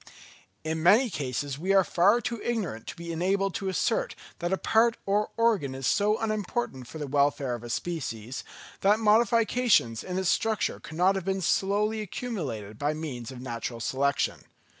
In many cases we are far too ignorant to be enabled to assert that a part or organ is so unimportant for the welfare of a species, that modifications in its structure could not have been slowly accumulated by means of natural selection.